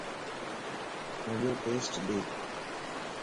پانجو ٽيسٽ ڏي